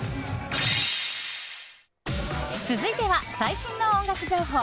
続いては、最新の音楽情報。